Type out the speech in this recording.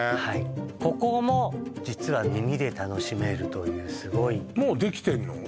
はいここも実は耳で楽しめるというすごいもうできてるの？